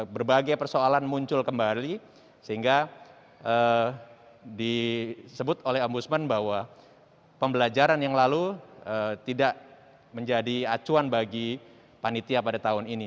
berbagai persoalan muncul kembali sehingga disebut oleh ombudsman bahwa pembelajaran yang lalu tidak menjadi acuan bagi panitia pada tahun ini